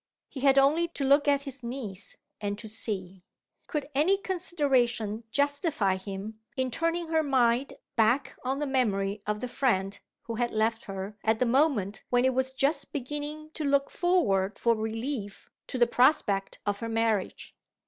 He had only to look at his niece and to see. Could any consideration justify him in turning her mind back on the memory of the friend who had left her at the moment when it was just beginning to look forward for relief to the prospect of her marriage?